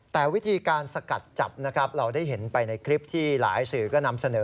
แต่วิธีการสกัดจับนะครับเราได้เห็นไปในคลิปที่หลายสื่อก็นำเสนอ